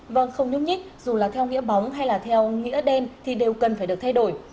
vâng không nhúc nhích dù là theo nghĩa bóng hay là theo nghĩa đen thì đều cần phải được thay đổi